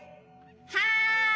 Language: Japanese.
はい！